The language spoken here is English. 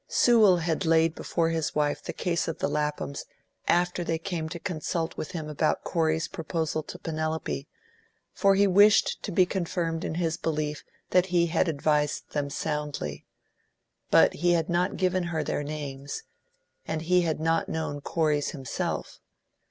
Sewell had laid before his wife the case of the Laphams after they came to consult with him about Corey's proposal to Penelope, for he wished to be confirmed in his belief that he had advised them soundly; but he had not given her their names, and he had not known Corey's himself.